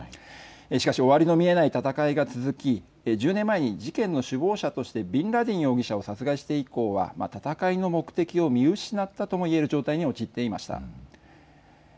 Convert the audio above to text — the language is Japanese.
しかし、終わりの見えない戦いが続き１０年前に事件の首謀者としてビンラディン容疑者を殺害して以降は戦いの目的を見失ったとも言える状態に陥っていました。